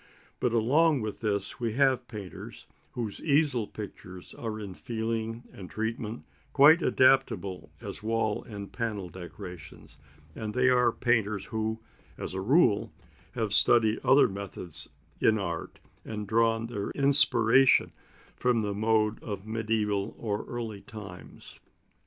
But along with this we have painters whose easel pictures are in feeling and treatment quite adaptable as wall and panel decorations, and they are painters who, as a rule, have studied other methods in art, and drawn their inspiration from the mode of Mediæval or Early Renaissance times.